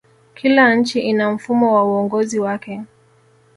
kila nchi ina mfumo wa uongozi wake